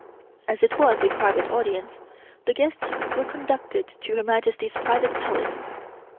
As it was a private audience, the guests were conducted to Her Majesty's private Palace.